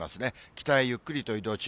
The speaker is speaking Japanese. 北へゆっくりと移動中。